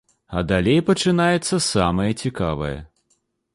А далей пачынаецца самае цікавае.